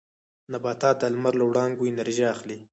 نباتات د لمر له وړانګو انرژي اخلي